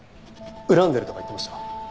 恨んでるとか言ってました？